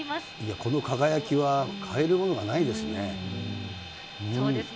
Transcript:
この輝きはかえるものがないですね。